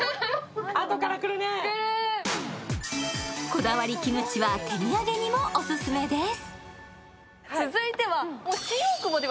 こだわりキムチは手土産にもオススメです。